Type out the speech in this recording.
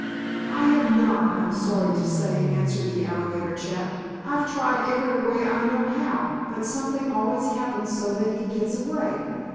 "I have not, I am sorry to say," answered the alligator chap. "I've tried every way I know how, but something always happens so that he gets away.